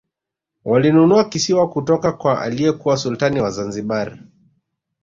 walinunua kisiwa kutoka kwa aliyekuwa sultani wa zanzibar